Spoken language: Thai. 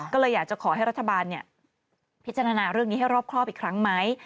ก็เลยอยากจะขอให้รัฐบาลพิจารณาเรื่องนี้ให้รอบครอบอีกครั้งไหม